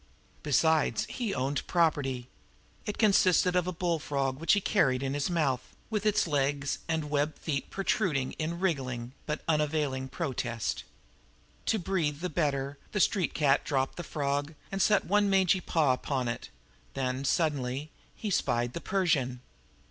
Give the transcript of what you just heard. Besides, he owned property. It consisted of a bullfrog which he carried in his mouth, with its legs and web feet protruding in wriggly, but unavailing, protest. To breathe the better, the street cat dropped his frog and set one mangy paw upon it; then, suddenly, he spied the Persian.